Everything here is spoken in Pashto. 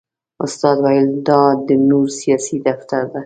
استاد ویل دا د نور سیاسي دفتر دی.